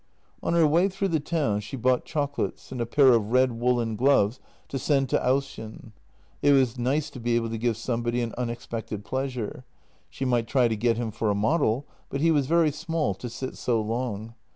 On her way through the town she bought chocolates and a pair of red woollen gloves to send to Ausjen. It was nice to be able to give somebody an unexpected pleasure. She might try to get him for a model, but he was very small to sit so long.